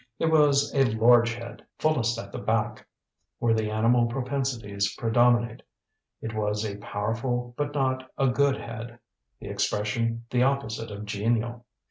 It was a large head, fullest at the back, where the animal propensities predominate; it was a powerful, but not a good head, the expression the opposite of genial.